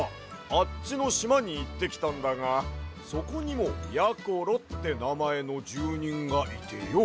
あっちのしまにいってきたんだがそこにもやころってなまえのじゅうにんがいてよ。